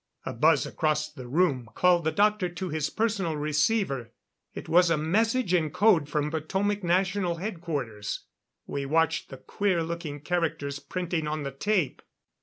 A buzz across the room called the doctor to his personal receiver. It was a message in code from Potomac National Headquarters. We watched the queer looking characters printing on the tape.